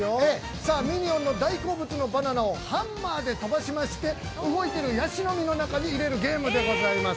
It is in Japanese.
◆さあミニオンの大好物のバナナをハンマーで飛ばしまして、動いてるヤシの実の中に入れるゲームでございます。